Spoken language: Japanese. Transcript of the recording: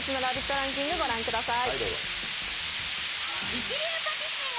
ランキング、御覧ください。